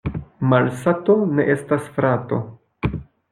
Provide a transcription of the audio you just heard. Malsato ne estas frato.